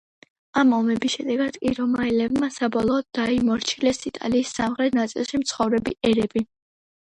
ამ ომების შედეგად კი რომაელებმა საბოლოოდ დაიმორჩილეს იტალიის სამხრეთ ნაწილში მცხოვრები ერები.